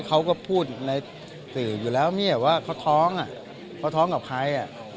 เขาก็พูดในสื่ออยู่แล้วว่าเขาท้องกับใคร